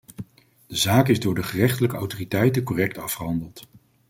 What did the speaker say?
De zaak is door de gerechtelijke autoriteiten correct afgehandeld.